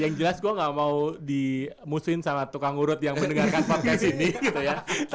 yang jelas gue gak mau dimusuhin sama tukang urut yang mendengarkan podcast ini gitu ya